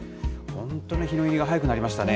本当に日の入りが早くなりましたね。